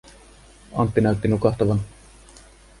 Antti näytti nukahtavan.